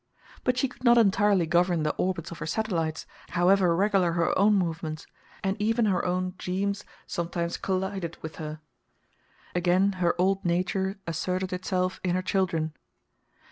But she could not entirely govern the orbits of her satellites, however regular her own movements, and even her own "Jeemes" sometimes collided with her. Again her old nature asserted itself in her children.